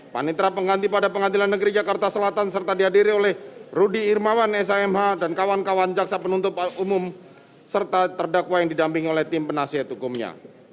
panitra pengganti pada pengadilan negeri jakarta selatan serta dihadiri oleh rudy irmawan shmh dan kawan kawan jaksa penuntut umum serta terdakwa yang didamping oleh tim penasihat hukumnya